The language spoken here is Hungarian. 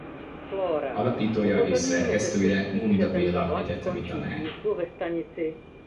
Alapítója és szerkesztője Gunda Béla egyetemi tanár.